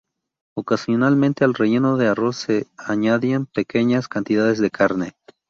Ocasionalmente al relleno de arroz se añadían pequeñas cantidades de carne.